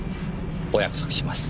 お約束します。